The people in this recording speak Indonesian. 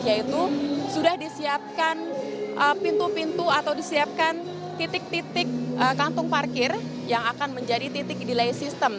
yaitu sudah disiapkan pintu pintu atau disiapkan titik titik kantung parkir yang akan menjadi titik delay system